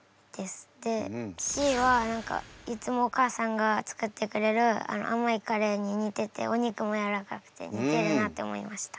Ｃは何かいつもお母さんが作ってくれる甘いカレーに似ててお肉もやわらかくて似てるなって思いました。